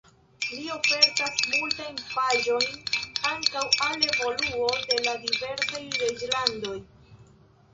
Li ofertas multajn paĝojn ankaŭ al evoluo de la diversaj reĝlandoj.